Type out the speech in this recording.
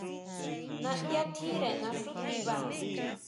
Naʼyá tjínre naxú tiba.